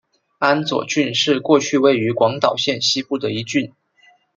安佐郡是过去位于广岛县西部的一郡。